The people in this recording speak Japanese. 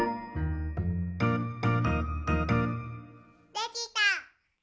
できた！